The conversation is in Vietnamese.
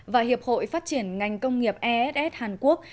và hiệp hội phát triển ngành công nghiệp ess hàn quốc